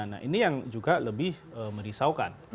nah ini yang juga lebih merisaukan